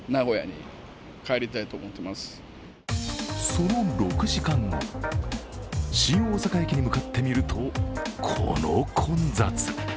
その６時間後、新大阪駅に向かってみると、この混雑。